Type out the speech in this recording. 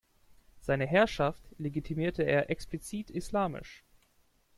Seine Herrschaft legitimierte er explizit islamisch.